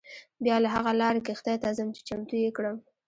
بیا له هغه لارې کښتۍ ته ځم چې چمتو یې کړم.